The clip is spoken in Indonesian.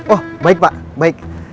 oh baik pak baik